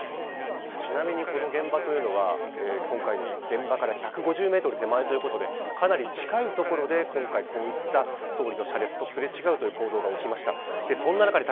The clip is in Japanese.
ちなみに、この現場というのは今回の現場から１５０メートル手前ということでかなり近い所で今回こういった総理の車列と擦れ違うという行動が起きました。